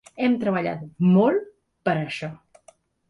Hem treballat molt per això.